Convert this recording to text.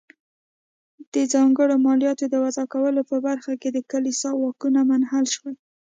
د ځانګړو مالیاتو د وضع کولو په برخه کې د کلیسا واکونه منحل شول.